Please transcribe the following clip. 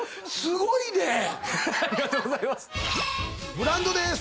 ブランドです。